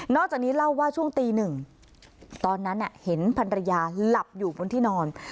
จากนี้เล่าว่าช่วงตีหนึ่งตอนนั้นเห็นพันรยาหลับอยู่บนที่นอน